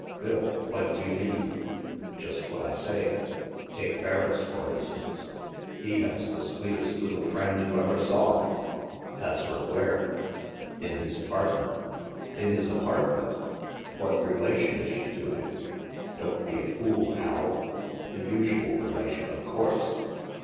" Phil, what do you mean ?" "Just what I say. Take Ferriss, for instance; he has the sweetest little friend you ever saw —" "Has her where?" " In his apartment." " In his apartment? What relation is she to him?" " Don't be a fool, Al. The usual relation, of course."